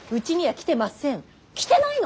来てないの！